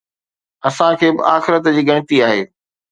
اسان کي به آخرت جي ڳڻتي آهي.